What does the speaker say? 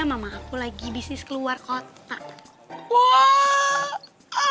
mama aku lagi bisnis keluar kota